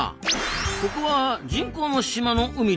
ここは人工の島の海ですよね。